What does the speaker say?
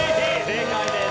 正解です。